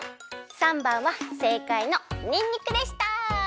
３ばんはせいかいのにんにくでした！